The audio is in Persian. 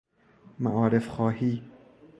معارف خواهی